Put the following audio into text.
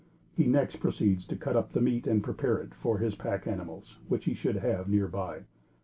He next proceeds to cut up the meat and prepare it for his pack animals which he should have near by.